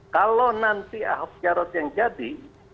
kalau nanti ahok jarot yang jadi